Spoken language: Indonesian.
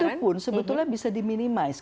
tapi itu pun sebetulnya bisa di minimize